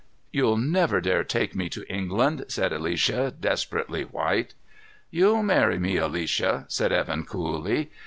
"You'll never dare take me to England," said Alicia, desperately white. "You'll marry me, Alicia," said Evan coolly.